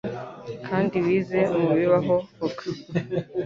Kandi wize mubibaho, vuga.